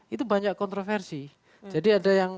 itu banyak kontroversi jadi ada yang